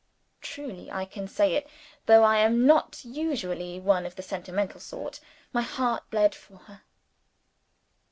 Truly I can say it (though I am not usually one of the sentimental sort), my heart bled for her.